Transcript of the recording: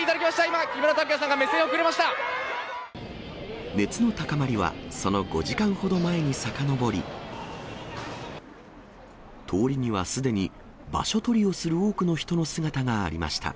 今、熱の高まりは、その５時間ほど前にさかのぼり、通りにはすでに場所取りをする多くの人の姿がありました。